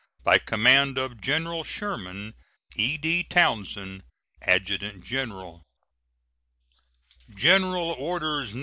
By command of General Sherman: E.D. TOWNSEND, Adjutant General. GENERAL ORDERS, No.